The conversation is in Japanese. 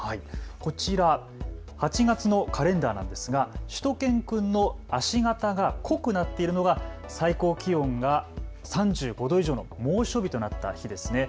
こちら、８月のカレンダーなんですがしゅと犬くんの足形が濃くなっているのが最高気温が３５度以上の猛暑日となった日ですね。